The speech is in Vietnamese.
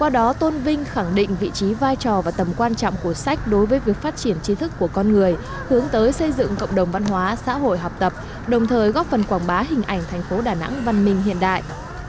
đó tôn vinh khẳng định vị trí vai trò và tầm quan trọng của sách đối với việc phát triển trí thức của con người hướng tới xây dựng cộng đồng văn hóa xã hội học tập đồng thời góp phần quảng bá hình ảnh thành phố đà nẵng văn minh hiện đại